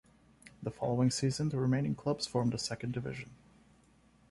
The following season, the remaining clubs formed a second division.